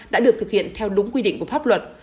đã được thực hiện theo đúng quy định của pháp luật